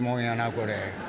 これ。